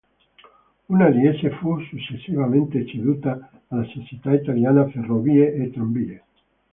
Una di esse fu successivamente ceduta alla Società Italiana Ferrovie e Tramvie.